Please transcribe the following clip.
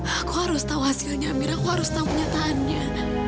aku harus tau hasilnya amira aku harus tau kenyataannya